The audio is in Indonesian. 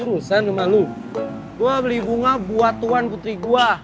urusan sama lu gua beli bunga buat tuan putri gua